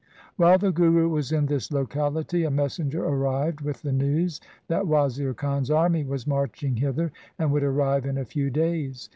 While the Guru was in this locality, a messenger arrived with the news that Wazir Khan's army was marching hither, and would arrive in a few days.